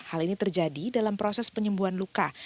hal ini terjadi dalam proses penyembuhan luka